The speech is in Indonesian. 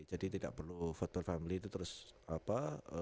jadi tidak perlu family terus apa